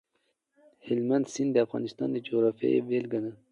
هلمند سیند د افغانستان د جغرافیې بېلګه ده.